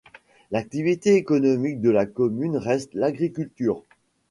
L'activité économique de la commune reste l'agriculture.